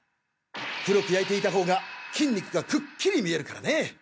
黒く焼いていたほうが筋肉がくっきり見えるからね！